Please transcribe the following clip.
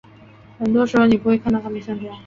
很多时候你不会看到他们像这样。